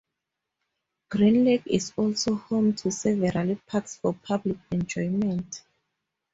Green Lake is also home to several parks for public enjoyment.